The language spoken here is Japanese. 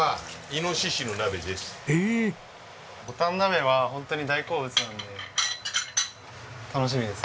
ぼたん鍋は本当に大好物なんで楽しみですね。